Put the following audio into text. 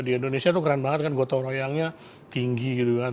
di indonesia tuh keren banget kan gotong royongnya tinggi gitu kan